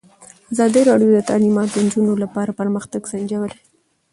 ازادي راډیو د تعلیمات د نجونو لپاره پرمختګ سنجولی.